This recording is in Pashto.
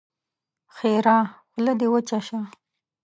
ښېرا: خوله دې وچه شه!